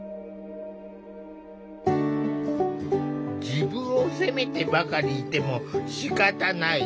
自分を責めてばかりいてもしかたない。